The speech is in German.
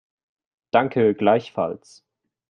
Danke, gleichfalls.